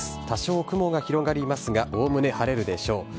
多少、雲が広がりますが、おおむね晴れるでしょう。